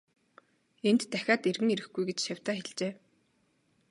Энд дахиад эргэн ирэхгүй гэж шавьдаа хэлжээ.